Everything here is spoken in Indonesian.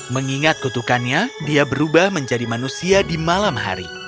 mengingat kutukannya dia berubah menjadi manusia di malam hari